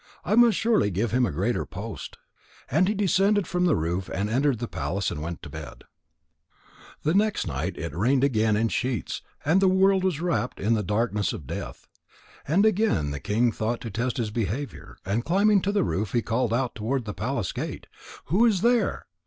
I must surely give him a greater post." And he descended from the roof and entered the palace and went to bed. The next night it rained again in sheets and the world was wrapped in the darkness of death. And again the king thought to test his behaviour, and climbing to the roof he called out toward the palace gate: "Who is there?"